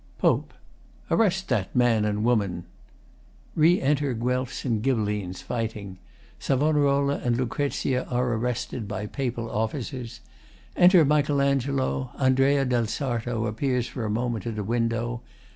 ] POPE Arrest that man and woman! [Re enter Guelfs and Ghibellines fighting. SAV. and LUC. are arrested by Papal officers. Enter MICHAEL ANGELO. ANDREA DEL SARTO appears for a moment at a window.